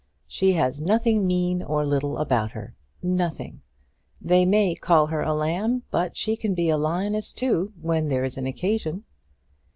She has nothing mean or little about her nothing. They may call her a lamb, but she can be a lioness too when there is an occasion."